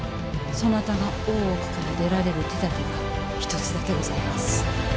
そなたが大奥から出られる手だてが一つだけございます。